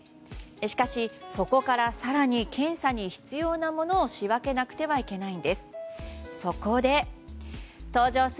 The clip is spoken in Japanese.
しかし、そこから更に検査に必要なものを仕分けなくてはいけないんです。